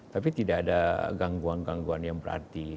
tapi tidak ada gangguan gangguan yang berarti